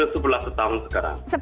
sudah ke sebelas tahun sekarang